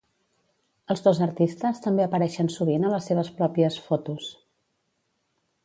Els dos artistes també apareixen sovint a les seves pròpies "fotos".